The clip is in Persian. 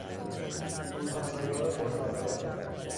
روزنامهنگار پر سابقه